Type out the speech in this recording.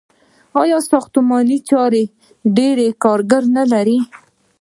آیا ساختماني چارې ډیر کارګران نلري؟